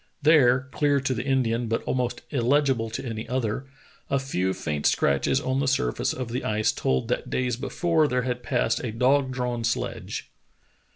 There, clear to the Indian but almost illegible to any other, a few faint scratches on the surface of the ice told that days before there had passed a dog drawn sledge.